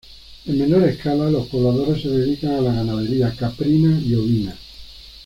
En menor escala los pobladores se dedican a la ganadería caprina y ovina.